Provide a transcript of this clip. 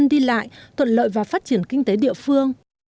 người dân đi lại tuận lợi vào phát triển kinh tế địa phương